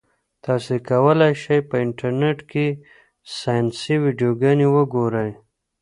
تاسي کولای شئ په انټرنيټ کې ساینسي ویډیوګانې وګورئ.